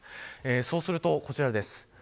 そうすると、こちらです。